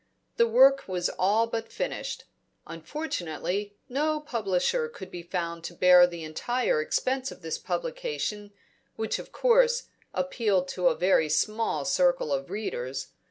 The work was all but finished. Unfortunately, no publisher could be found to bear the entire expense of this publication, which of course appealed to a very small circle of readers.